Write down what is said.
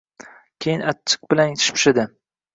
Keyin achchiq bilan shipshidi